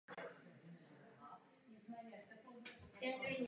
Po rodičích má italský původ.